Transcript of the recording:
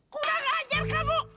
kurang ajar kamu